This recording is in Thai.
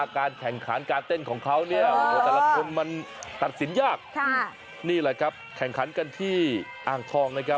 คุณยังไม่มีอารมณ์จะสนุกกับผมอีกเหรอ